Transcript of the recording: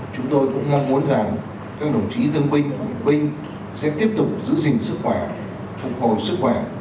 chúng tôi cũng mong muốn rằng các đồng chí thương binh bệnh binh sẽ tiếp tục giữ gìn sức khỏe phục hồi sức khỏe